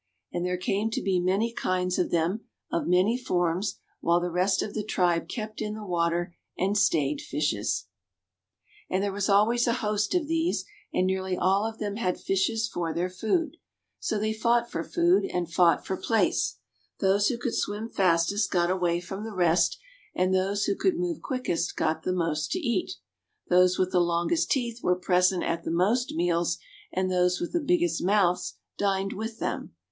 And there came to be many kinds of them, of many forms, while the rest of the tribe kept in the water and stayed fishes. [Illustration: COMMON SUNFISH. Life size. COPYRIGHT 1900, BY A. W. MUMFORD, CHICAGO.] And there was always a host of these, and nearly all of them had fishes for their food. So they fought for food and fought for place. Those who could swim fastest got away from the rest, and those who could move quickest got the most to eat. Those with the longest teeth were present at the most meals, and those with the biggest mouths dined with them.